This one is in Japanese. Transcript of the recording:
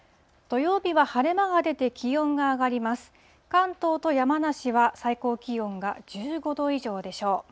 関東と山梨は、最高気温が１５度以上でしょう。